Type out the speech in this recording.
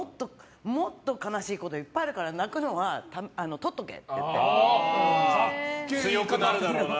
もっと悲しいこといっぱいあるから強くなるだろうな。